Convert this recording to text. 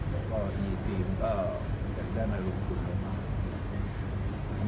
ใช่แล้วก็อีซีมก็จะมารุงกลุ่มกันมาก